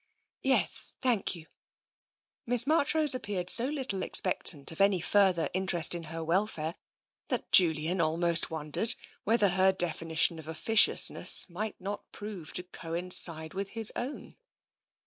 " Yes, thank you.'' Miss Marchrose appeared so little expectant of any further interest in her welfare that Julian almost won dered whether her definition of officiousness might not prove to coincide with his own.